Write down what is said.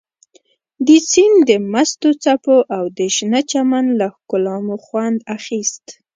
د سیند د مستو څپو او د شنه چمن له ښکلا مو خوند اخیست.